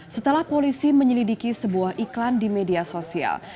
setelah polisi menyelidiki sebuah iklan di media sosial